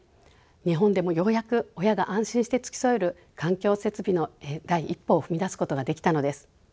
日本でもようやく親が安心して付き添える環境設備の第一歩を踏み出すことができたのです。